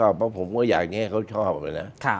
เพราะผมก็อยากจะให้เขาชอบนะ